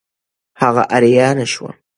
هغه آریان شو.